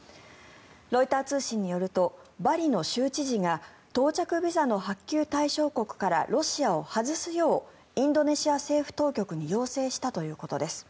ロイター通信によるとバリの州知事が到着ビザの発給対象国からロシアを外すようインドネシア政府当局に要請したということです。